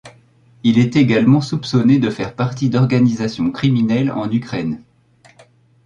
Il est également soupçonné de faire partie d'organisations criminelles en Ukraine.